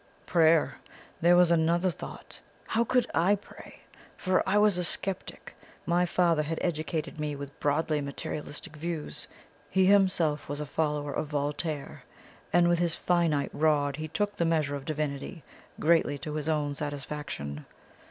"PRAYER! There was another thought. How could I pray? For I was a sceptic. My father had educated me with broadly materialistic views; he himself was a follower of Voltaire, and with his finite rod he took the measure of Divinity, greatly to his own satisfaction.